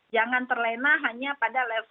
jangan terlena hanya pada level satu sampai empat